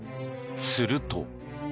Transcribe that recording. すると。